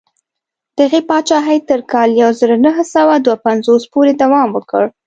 دغې پاچاهۍ تر کال یو زر نهه سوه دوه پنځوس پورې دوام وکړ.